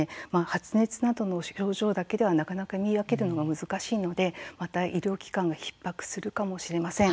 発熱などの症状だけではなかなか見分けるのが難しいのでまた、医療機関がひっ迫するかもしれません。